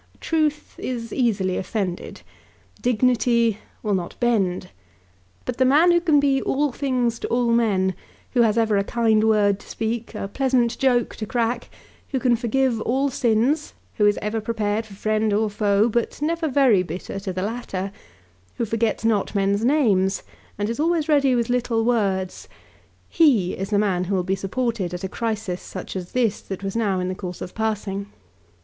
Truth is easily offended. Dignity will not bend. But the man who can be all things to all men, who has ever a kind word to speak, a pleasant joke to crack, who can forgive all sins, who is ever prepared for friend or foe but never very bitter to the latter, who forgets not men's names, and is always ready with little words, he is the man who will be supported at a crisis such as this that was now in the course of passing.